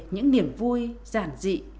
những niềm vui giản dị